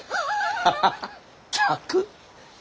ハハハハッ！